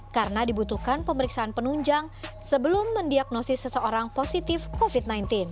karena dibutuhkan pemeriksaan penunjang sebelum mendiagnosis seseorang positif covid sembilan belas